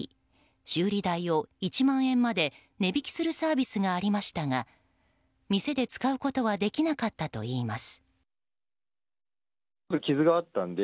修理代を１万円まで値引きするサービスがありましたが店で使うことはできなかったといいます。